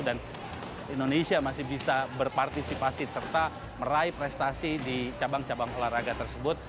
dan indonesia masih bisa berpartisipasi serta meraih prestasi di cabang cabang olahraga tersebut